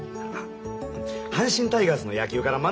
阪神タイガースの野球から学びましたわ。